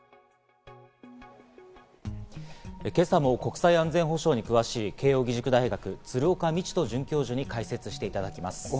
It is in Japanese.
今朝も国際安全保障に詳しい慶應義塾大学・鶴岡路人准教授に解説していただきます。